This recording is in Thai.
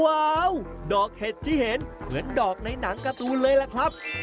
ว้าวดอกเห็ดที่เห็นเหมือนดอกในหนังการ์ตูนเลยล่ะครับ